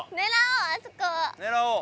狙おう！